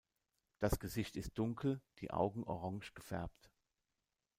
Das Gesicht ist dunkel, die Augen orange gefärbt.